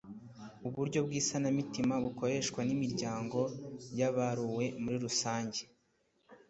uburyo bw’isanamitima bukoreshwa n’imiryango yabaruwe muri rusange